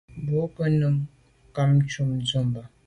Mbwôg ko’ num kum ba’ ntshùb tu ba’.